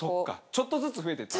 ちょっとずつ増えてって。